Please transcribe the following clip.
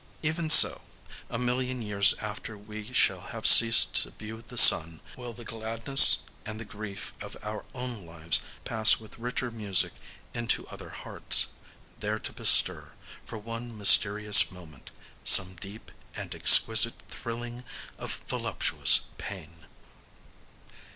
Even so,—a million years after we shall have ceased to view the sun,—will the gladness and the grief of our own lives pass with richer music into other hearts—there to bestir, for one mysterious moment, some deep and exquisite thrilling of voluptuous pain.